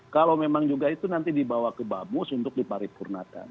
kalau memang juga itu nanti dibawa ke bamus untuk diparipurnakan